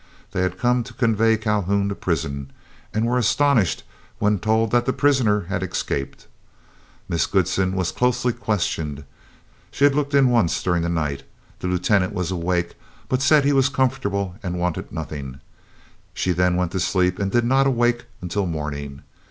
They had come to convey Calhoun to prison, and were astonished when told that the prisoner had escaped. Miss Goodsen was closely questioned. She had looked in once during the night. The Lieutenant was awake, but said he was comfortable and wanted nothing. She then went to sleep and did not awake until morning.